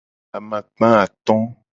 Amakpa ato.